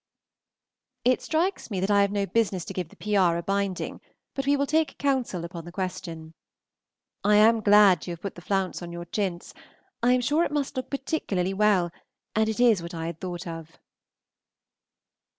It strikes me that I have no business to give the P. R. a binding, but we will take counsel upon the question. I am glad you have put the flounce on your chintz; I am sure it must look particularly well, and it is what I had thought of.